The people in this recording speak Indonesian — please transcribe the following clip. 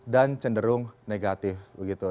dan cenderung negatif begitu